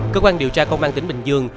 cơ quan điều tra công an tỉnh bình dương